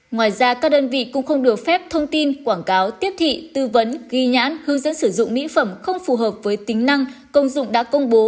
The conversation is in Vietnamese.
ngoài ra các đơn vị cũng không được phép thông tin quảng cáo tiếp thị tư vấn ghi nhãn hướng dẫn sử dụng mỹ phẩm không phù hợp với tính năng công dụng đã công bố